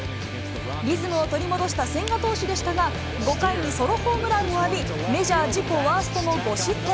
リズムを取り戻した千賀投手でしたが、５回にソロホームランを浴び、メジャー自己ワーストの５失点。